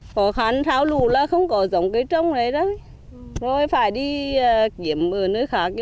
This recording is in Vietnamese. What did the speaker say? có khán tháo lũ là không có giống cây trồng này đâu rồi phải đi kiểm ở nơi khác